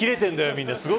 みんな。